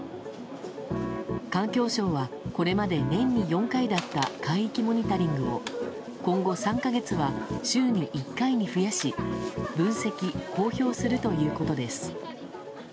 環境省は、これまで年に４回だった海域モニタリングを今後３か月は週に１回に増やし分析・公表するということです。